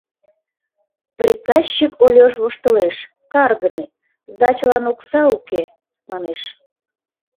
Прикащик Ольош воштылеш, каргыме: сдачылан окса уке, манеш...